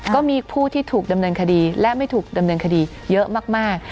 ก็มีผู้ที่ถูกดำเนินคดีและไม่ถูกดำเนินคดีเยอะมาก